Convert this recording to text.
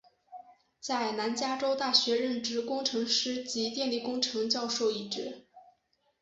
在南加州大学任职工程师及电力工程教授一职。